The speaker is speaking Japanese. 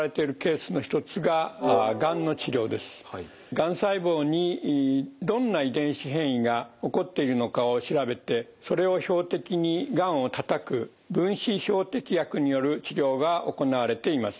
がん細胞にどんな遺伝子変異が起こっているのかを調べてそれを標的にがんをたたく分子標的薬による治療が行われています。